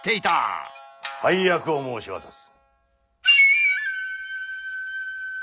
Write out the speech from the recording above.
配役を申し渡す。